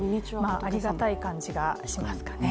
ありがたい感じがしますかね。